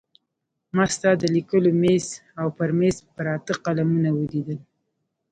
ما ستا د لیکلو مېز او پر مېز پراته قلمونه ولیدل.